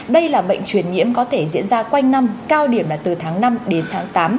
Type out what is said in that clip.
đây là bệnh truyền nhiễm có thể diễn ra quanh năm cao điểm là từ tháng năm đến tháng tám